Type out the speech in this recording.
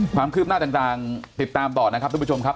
ความคืบหน้าต่างติดตามต่อนะครับทุกผู้ชมครับ